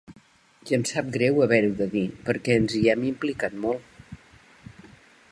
I em sap greu haver-ho de dir perquè ens hi hem implicat molt.